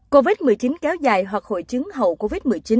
covid một mươi chín kéo dài hoặc hội chứng hậu covid một mươi chín